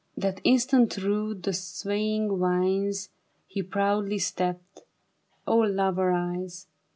That instant through the swaying vines He proudly stepped. O lover eyes